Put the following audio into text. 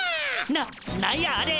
な何やあれ！？